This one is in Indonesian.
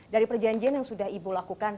dari perjanjian yang sudah ibu lakukan